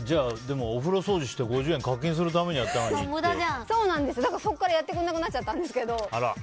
でもお風呂掃除して５０円、課金するためにそこから、やってくれなくなっちゃったんですけど。